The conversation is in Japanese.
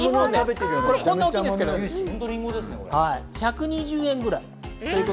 こんな大きいんですけど１２０円ぐらい。